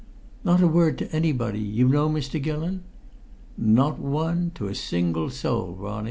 "Not a word to anybody, you know, Mr. Gillon?" "Not one, to a single soul, Ronnie!"